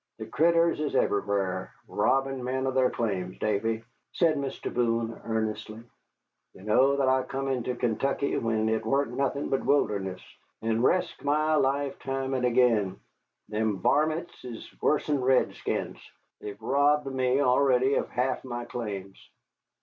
The critters is everywhar, robbin' men of their claims. Davy," said Mr. Boone, earnestly, "you know that I come into Kaintuckee when it waren't nothin' but wilderness, and resked my life time and again. Them varmints is wuss'n redskins, they've robbed me already of half my claims."